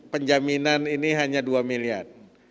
penjaminan ini hanya dua miliar